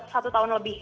satu tahun lebih